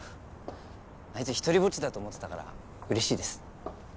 あいつ独りぼっちだと思ってたから嬉しいです。